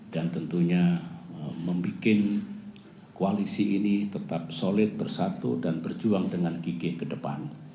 dan tentunya membuat koalisi ini tetap solid bersatu dan berjuang dengan gigi ke depan